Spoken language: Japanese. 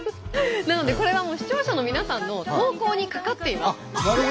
なのでこれはもう視聴者の皆さんの投稿にかかっています。